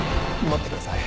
待ってください。